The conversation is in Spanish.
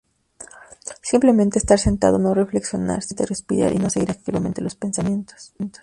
Simplemente estar sentado; no reflexionar; sencillamente respirar y no seguir activamente los pensamientos.